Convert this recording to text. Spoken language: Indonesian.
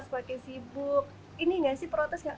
semakin sibuk ini gak sih protes gak